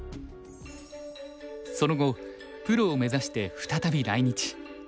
その後プロを目指して再び来日。